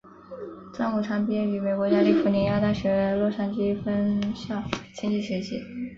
张五常毕业于美国加利福尼亚大学洛杉矶分校经济学系。